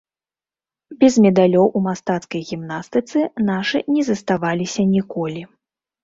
Без медалёў у мастацкай гімнастыцы нашы не заставаліся ніколі.